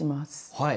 はい。